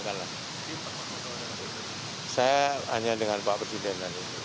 saya hanya dengan pak presiden saja